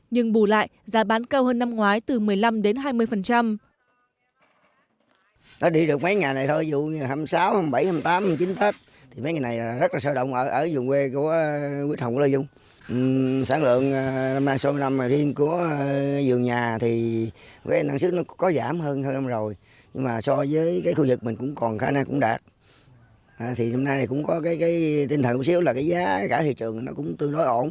nhưng bù lại giá bán cao hơn năm ngoái từ một mươi năm hai mươi